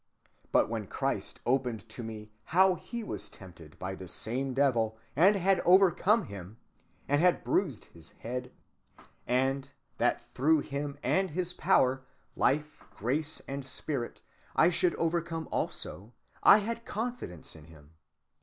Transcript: But when Christ opened to me how he was tempted by the same devil, and had overcome him, and had bruised his head; and that through him and his power, life, grace, and spirit, I should overcome also, I had confidence in him.